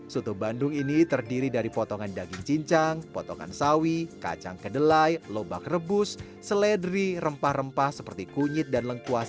soto bandung ini terdiri dari potongan daging cincang potongan sawi kacang kedelai lobak rebus seledri rempah rempah seperti kunyit dan lengkuas